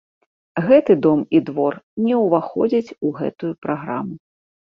Гэты дом і двор не ўваходзяць у гэтую праграму.